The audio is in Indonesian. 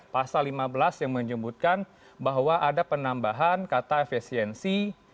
pasal lima belas yang menyebutkan bahwa ada penambahan kata efisiensi